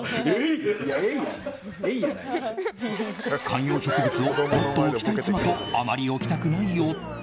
観葉植物をもっと置きたい妻とあまり置きたくない夫。